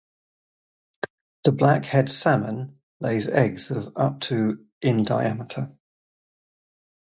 The blackhead salmon lays eggs of up to in diameter.